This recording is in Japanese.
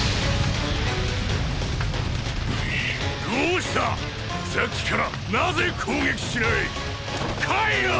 どうしたさっきから⁉なぜ攻撃しない！こいよ！